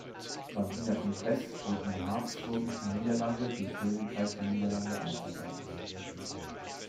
Beim Wiener Kongress wurden die Habsburgischen Niederlande dem Königreich der Niederlande einverleibt.